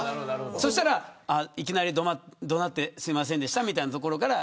そしたら、いきなり怒鳴ってすいませんでしたみたいなところから。